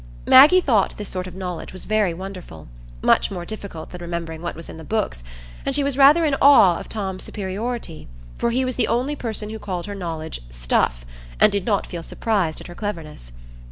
Maggie thought this sort of knowledge was very wonderful,—much more difficult than remembering what was in the books; and she was rather in awe of Tom's superiority, for he was the only person who called her knowledge "stuff," and did not feel surprised at her cleverness.